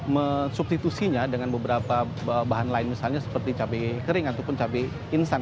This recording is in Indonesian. mensubstitusinya dengan beberapa bahan lain misalnya seperti cabai kering ataupun cabai insan